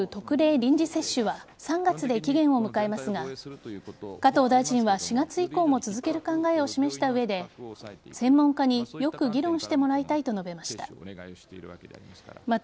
臨時接種は３月で期限を迎えますが加藤大臣は４月以降も続ける考えを示した上で専門家によく議論してもらいたいと述べました。